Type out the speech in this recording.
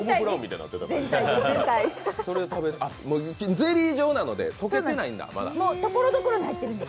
ゼリー状なので、溶けてないんだ、まだ。